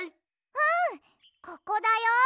うんここだよ。